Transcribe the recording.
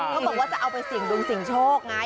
เขาบอกว่าจะเอาไปเสี่ยงดวงเสี่ยงโชคไง